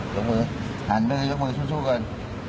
ยกมือหันด้วยยกมือสู้สู้ก่อน